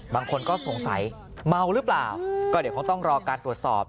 บางคนก็สงสัยเมาหรือเปล่าก็เดี๋ยวคงต้องรอการตรวจสอบ